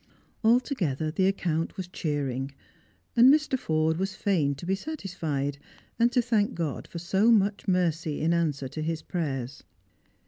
Alto gelher, the account was cheering, and Mr. Forde was fain to be satisfied, and to thank God for so much mercy in answer to hia prayers.